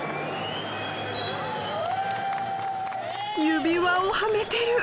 指輪をはめてる！